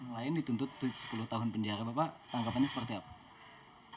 lain dituntut sepuluh tahun penjara bapak tanggapannya seperti apa